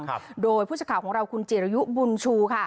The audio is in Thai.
ครับโดยผู้สักข่าวของเราคุณจิรยุบุญชูค่ะ